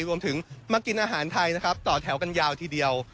รวมถึงมากินอาหารไทยนะครับต่อแถวกันยาวทีเดียว